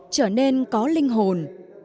trở nên có linh hồn